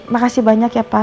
makasih banyak ya pak